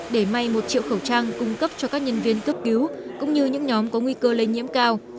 để may một triệu khẩu trang cung cấp cho các nhân viên cấp cứu cũng như những nhóm có nguy cơ lây nhiễm cao